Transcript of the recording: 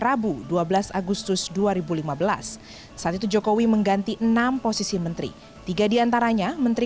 rabu dua belas agustus dua ribu lima belas saat itu jokowi mengganti enam posisi menteri tiga diantaranya menteri